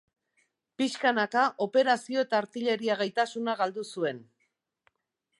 Pixkanaka, operazio eta artilleria gaitasuna galdu zuen.